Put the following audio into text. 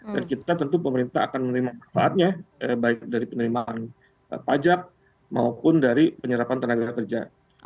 dan kita tentu pemerintah akan menerima manfaatnya baik dari penerimaan pajak maupun dari penyerapan tenaga kerja